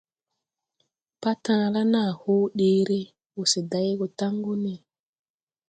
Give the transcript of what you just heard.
Patala naa hoo ɗeere, wose day go taŋgu ne.